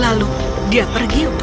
lalu dia pergi untuk tidur